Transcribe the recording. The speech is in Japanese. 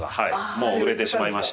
もう売れてしまいました。